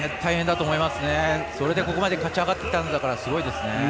それでここまで勝ち上がってきたんだからすごいですね。